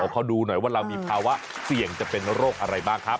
เขาดูหน่อยว่าเรามีภาวะเสี่ยงจะเป็นโรคอะไรบ้างครับ